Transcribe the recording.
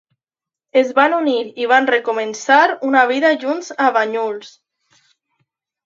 Es van unir i van recomençar una vida junts a Banyuls.